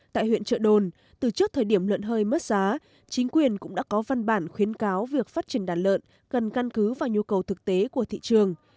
tại huyện trợ đồn từ trước thời điểm lợn hơi mất giá chính quyền cũng đã có văn bản khuyến cáo việc phát triển đàn lợn cần căn cứ vào nhu cầu thực tế của thị trường